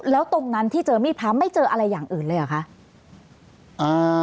แล้วตรงนั้นที่เจอมีดพระไม่เจออะไรอย่างอื่นเลยเหรอคะ